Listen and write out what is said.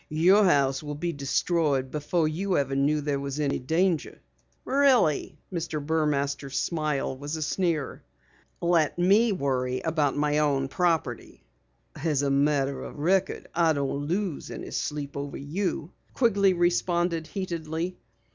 Your house would be destroyed before you knew there was any danger!" "Really?" Mr. Burmaster's smile was a sneer. "Let me worry about my own property." "As a matter of record, I don't lose any sleep over you," Quigley responded heatedly.